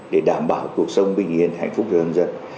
để đảm bảo cuộc sống bình yên hạnh phúc cho nhân dân